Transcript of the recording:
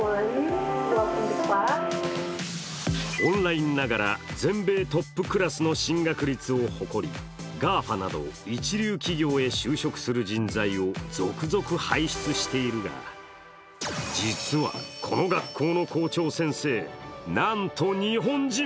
オンラインながら、全米トップクラスの進学率を誇り、ＧＡＦＡなど一流企業へ就職する人材を続々輩出しているが、実は、この学校の校長先生なんと日本人！